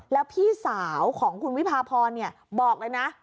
แล้วพี่สาวของคุณวิพาพรบอกเลยนะ